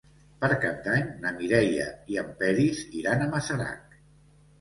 Per Cap d'Any na Mireia i en Peris iran a Masarac.